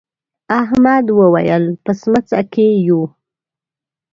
احمد وويل: په سمڅه کې یو.